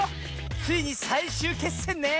ついにさいしゅうけっせんね！